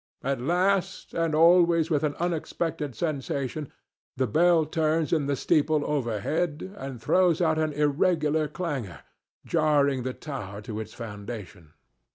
At last, and always with an unexpected sensation, the bell turns in the steeple overhead and throws out an irregular clangor, jarring the tower to its foundation.